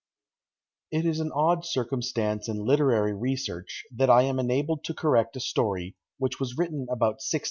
It is an odd circumstance in literary research, that I am enabled to correct a story which was written about 1680.